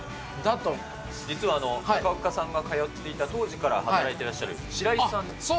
実は中岡さんが通っていた当時から働いてらっしゃる、白井さん。